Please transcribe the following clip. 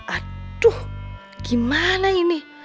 aduh gimana ini